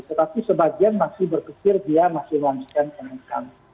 tetapi sebagian masih berkecil dia masih melancarkan kenaikan